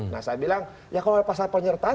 nah saya bilang ya kalau ada pasar penyertaan